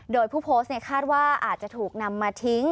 โดยผู้โพสต์คาดว่าอาจจะถูกนำมาทิ้ง